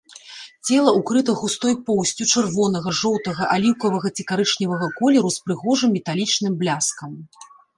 Цела ўкрыта густой поўсцю чырвонага, жоўтага, аліўкавага ці карычневага колеру з прыгожым металічным бляскам.